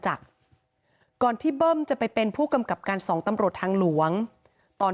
จากก่อนที่เบิ้มจะไปเป็นผู้กำกับการสองตำรวจทางหลวงตอน